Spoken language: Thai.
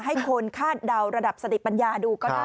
ให้คนคาดเดาระดับสติปัญญาดูก็ได้